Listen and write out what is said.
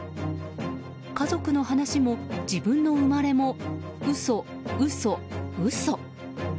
家族の話も、自分の生まれも嘘、嘘、嘘。